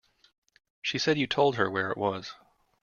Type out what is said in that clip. She said you told her where it was.